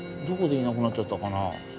どこでいなくなっちゃったかな？